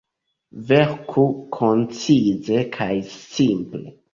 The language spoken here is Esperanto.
Verku koncize kaj simple.